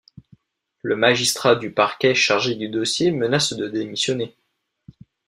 Le magistrat du parquet chargé du dossier menace de démissionner.